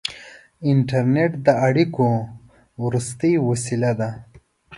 • انټرنېټ د اړیکو وروستۍ وسیله ده.